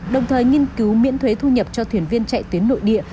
đồng thời nghiên cứu miễn thuế thu nhập cho thuyền viên chạy tuyến nội địa